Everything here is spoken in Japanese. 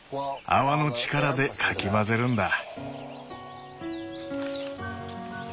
泡の力でかき混ぜるんだ。